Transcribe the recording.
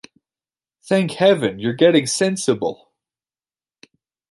Thank Heaven, you're getting sensible!